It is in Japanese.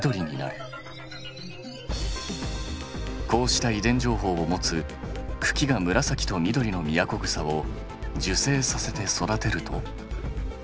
こうした遺伝情報を持つ茎が紫と緑のミヤコグサを授精させて育てると。